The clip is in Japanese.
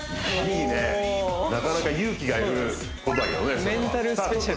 いいねなかなか勇気がいることだけどね